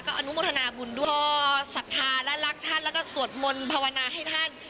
อนุโมทนาบุญด้วยศรัทธาและรักท่านแล้วก็สวดมนต์ภาวนาให้ท่าน